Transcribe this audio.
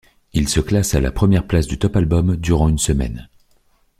Il se classe à la première place du Top Albums durant une semaine.